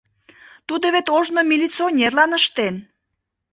Тудо вет ожно милиционерлан ыштен.